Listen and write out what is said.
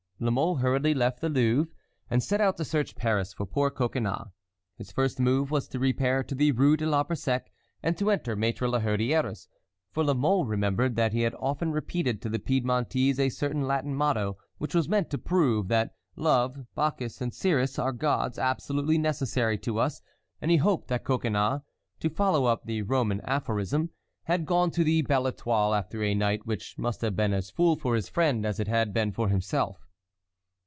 La Mole hurriedly left the Louvre, and set out to search Paris for poor Coconnas. His first move was to repair to the Rue de l'Arbre Sec and to enter Maître La Hurière's, for La Mole remembered that he had often repeated to the Piedmontese a certain Latin motto which was meant to prove that Love, Bacchus, and Ceres are gods absolutely necessary to us, and he hoped that Coconnas, to follow up the Roman aphorism, had gone to the Belle Étoile after a night which must have been as full for his friend as it had been for himself.